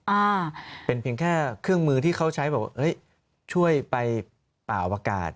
อ่าเป็นเพียงแค่เครื่องมือที่เขาใช้แบบเฮ้ยช่วยไปเป่าอากาศ